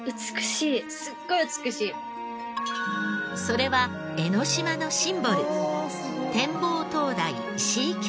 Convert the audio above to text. それは江の島のシンボル